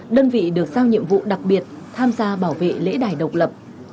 đơn vị được giao nhiệm vụ đặc biệt tham gia bảo vệ lễ đài độc lập